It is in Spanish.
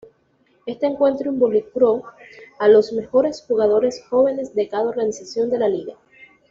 Este encuentro involucró a los mejores jugadores jóvenes de cada organización de la liga.